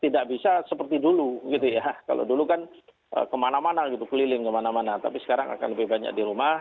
dia akan tetap berdakwah